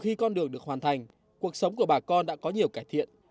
khi con đường được hoàn thành cuộc sống của bà con đã có nhiều cải thiện